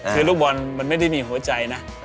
คือลูกบอลมันไม่ได้มีหัวใจนะ